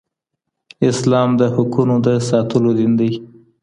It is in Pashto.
اسلام د حقونو د ساتلو دین دی.